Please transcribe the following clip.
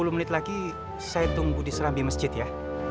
sepuluh menit lagi saya tunggu di serambi masjid ya